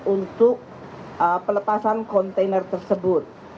untuk pelepasan kontainer tersebut